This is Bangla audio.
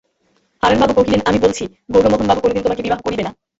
হারানবাবু কহিলেন, আমি বলছি, গৌরমোহনবাবু কোনোদিন তোমাকে বিবাহ করবেন না।